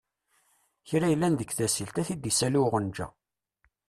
Kra yellan deg tasilt, a-t-id-issali uɣenja.